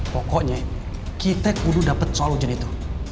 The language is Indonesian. pokoknya kita kudu dapat soal ujian itu